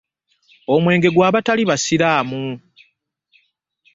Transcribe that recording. Omwenge gwa batali basiraamu.